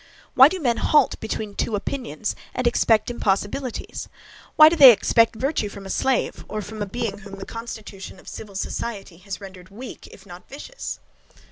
Why do men halt between two opinions, and expect impossibilities? Why do they expect virtue from a slave, or from a being whom the constitution of civil society has rendered weak, if not vicious?